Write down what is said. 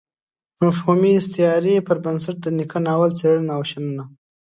مفهومي استعارې پر بنسټ د نيکه ناول څېړنه او شننه.